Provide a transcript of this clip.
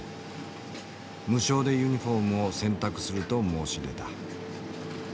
無償でユニフォームを洗濯すると申し出た。